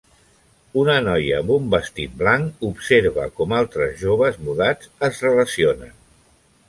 Una noia amb un vestit blanc observa com altres joves mudats es relacionen.